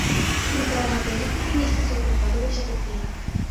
Літаральна за некалькі месяцаў утварылася пухліна.